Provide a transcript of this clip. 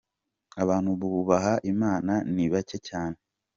Abantu bubaha imana ni bake cyane.